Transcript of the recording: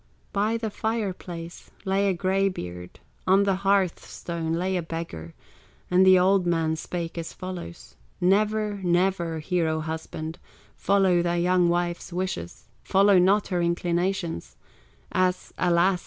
'" By the fire place lay a gray beard, On the hearth stone lay a beggar, And the old man spake as follows: "Never, never, hero husband, Follow thou thy young wife's wishes, Follow not her inclinations, As, alas!